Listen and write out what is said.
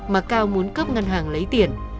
mà cao muốn cướp ngân hàng lấy tiền